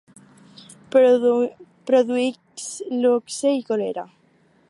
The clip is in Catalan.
Produeix luxe i còlera.